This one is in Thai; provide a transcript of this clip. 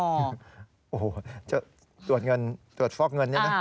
โอ้โหจะตรวจเงินตรวจฟอกเงินนี่นะ